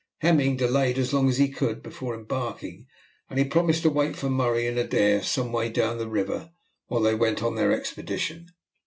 Hemming delayed as long as he could before embarking, and he promised to wait for Murray and Adair some way down the river while they went on their expedition.